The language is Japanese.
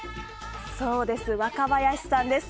そうです、若林さんです。